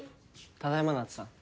ただいま夏さん。